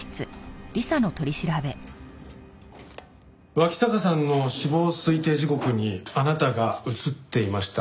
脇坂さんの死亡推定時刻にあなたが映っていました。